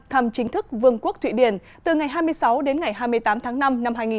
thăm chính thức vương quốc thụy điển từ ngày hai mươi sáu đến ngày hai mươi tám tháng năm năm hai nghìn một mươi chín